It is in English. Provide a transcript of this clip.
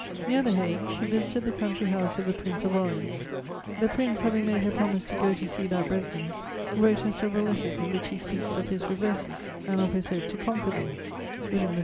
Near the Hague, she visited the country house of the Prince of Orange. The Prince, having made her promise to go to see that residence, wrote her several letters in which he speaks of his reverses and of his hope to conquer them: William I.